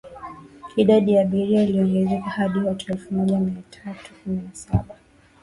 idadi ya abiria iliongezeka hadi watu elfu moja mia tatu kumi na saba